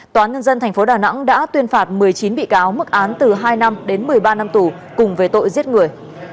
tòa nhân dân tp đà nẵng đã tuyên phạt một mươi chín bị cáo mức án từ hai năm đến một mươi ba năm tù cùng về tội giết người